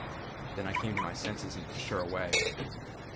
Then I came to my senses and pushed her away.